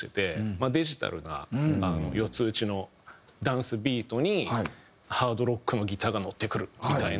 まあデジタルな４つ打ちのダンスビートにハードロックのギターが乗ってくるみたいな。